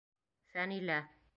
Фәнилә!